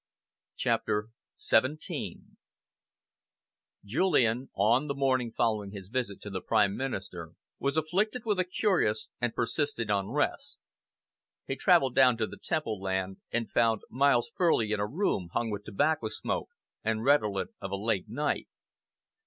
CHAPTER XVII Julian, on, the morning following his visit to the Prime Minister, was afflicted with a curious and persistent unrest. He travelled down to the Temple land found Miles Furley in a room hung with tobacco smoke and redolent of a late night.